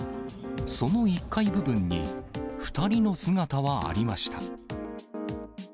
その１階部分に、２人の姿はありました。